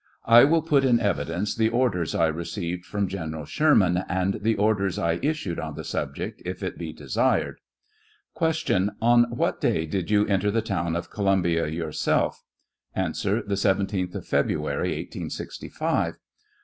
I will put in evidence the orders I received from General Sherman, and the orders I issued on the subject, if it be desired. Q. On what day did you enter the town of Columbia yourself? A. The 17th of February, 1865. Q.